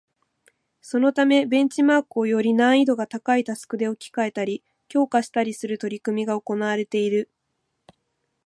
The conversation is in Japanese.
そのためベンチマークをより難易度が高いタスクで置き換えたり、強化したりする取り組みが行われている